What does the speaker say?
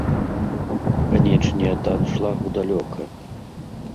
Канечне, да аншлагу далёка.